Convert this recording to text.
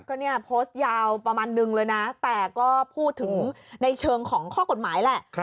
ก็เนี่ยโพสต์ยาวประมาณนึงเลยนะแต่ก็พูดถึงในเชิงของข้อกฎหมายแหละ